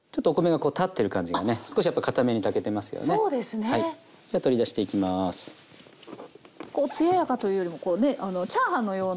こう艶やかというよりもこうねチャーハンのような。